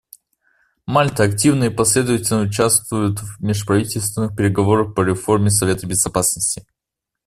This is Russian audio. Мальта активно и последовательно участвует в межправительственных переговорах по реформе Совета Безопасности.